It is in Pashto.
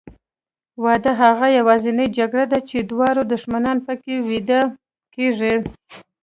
واده هغه یوازینۍ جګړه ده چې دواړه دښمنان پکې بیده کېږي.